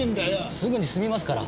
すぐに済みますから。